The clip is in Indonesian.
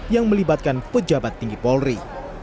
yang melibatkan pejabat tinggi polri